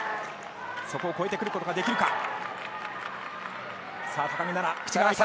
そこを超えてくることができるか。